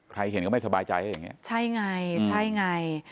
ใครเห็นก็ไม่สบายใจอย่างนี้ใช่ไง